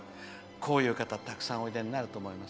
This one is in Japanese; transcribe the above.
こういう方たくさんおいでになると思います。